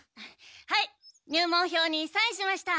はい入門票にサインしました。